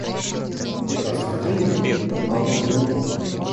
Это оскорбление как будто падало на него.